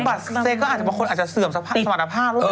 บำบัดเซ็กก็อาจจะเป็นคนเสื่อมสมรรถภาพ